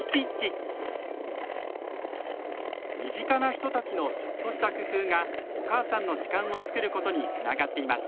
身近な人たちのちょっとした工夫がお母さんの時間をつくることにつながっています。